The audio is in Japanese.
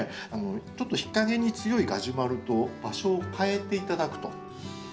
ちょっと日陰に強いガジュマルと場所を換えて頂くと。